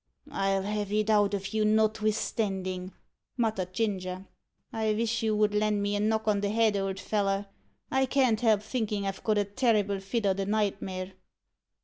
"I'll have it out of you notvithstandin'," muttered Ginger. "I vish you would lend me a knock on the head, old feller. I can't help thinkin' I've got a terrible fit o' the nightmare."